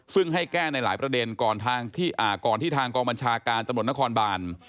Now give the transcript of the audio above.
ซึ่งให้แก้ในหลายประเด็นก่อนที่ทางกองบัญชาการตำรวจนครบาน